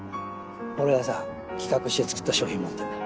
俺がさ企画して作った商品持ってるんだ。